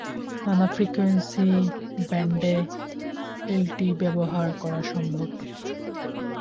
নানা ফ্রিকোয়েন্সি ব্যান্ডে এলটিই ব্যবহার করা সম্ভব।